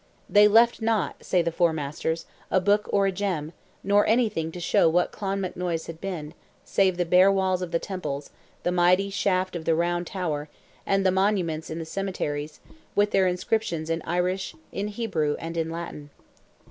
"They left not," say the Four Masters, "a book or a gem," nor anything to show what Clonmacnoise had been, save the bare walls of the temples, the mighty shaft of the round tower, and the monuments in the cemeteries, with their inscriptions in Irish, in Hebrew, and in Latin.